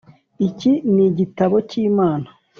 iki ni igitabo cy’imana.